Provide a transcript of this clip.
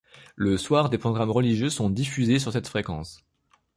Le soir, des programmes religieux sont diffusés sur cette fréquence.